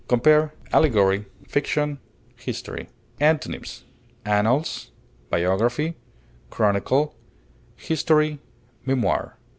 Compare ALLEGORY; FICTION; HISTORY. Antonyms: annals, biography, chronicle, history, memoir.